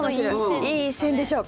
いい線でしょうか？